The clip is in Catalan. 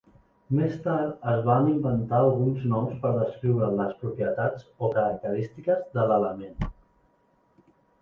Més tard es van inventar alguns noms per descriure les propietats o característiques de l'element.